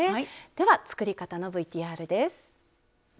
では作り方のＶＴＲです。